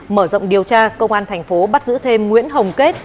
mở rộng điều tra công an thành phố bắt giữ thêm nguyễn hồng kết